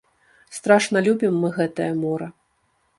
Страшна любім мы гэтае мора.